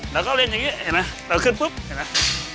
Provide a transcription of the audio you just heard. แล้วก็เล่นอย่างนี้เห็นไหมเราขึ้นปุ๊บเห็นไหม